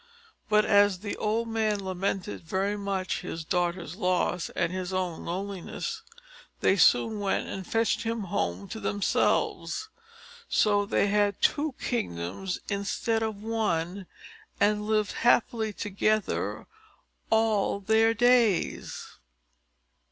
But as the old man lamented very much his daughter's loss, and his own loneliness, they soon went and fetched him home to themselves. So they had two kingdoms, instead of one, and lived happily together all their days.